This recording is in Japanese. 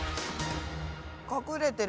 隠れてる。